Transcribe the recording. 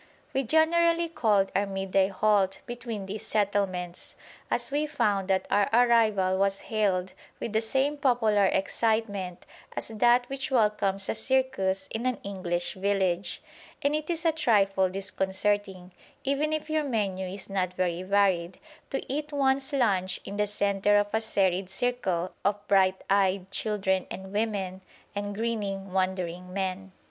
We generally called our midday halt between these settlements, as we found that our arrival was hailed with the same popular excitement as that which welcomes a circus in an English village; and it is a trifle disconcerting, even if your menu is not very varied, to eat one's lunch in the centre of a serried circle of bright eyed children and women, and grinning, wondering men.